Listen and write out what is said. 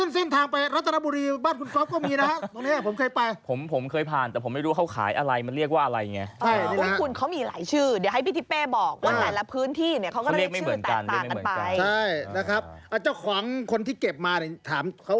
สิ้นทางไปรัฐนบุรีบ้านคุณครอบก็มีนะครับตรงนี้ผมเคยไป